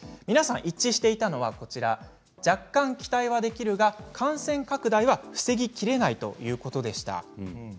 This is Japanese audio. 皆さん一致していたのは若干、期待はできるが感染拡大は防ぎきれないということでした。